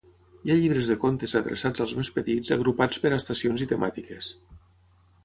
Hi ha llibres de contes adreçats als més petits agrupats per estacions i temàtiques.